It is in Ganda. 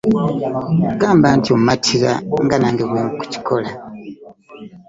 Gamba nti ommatira nga nange bwenkikola.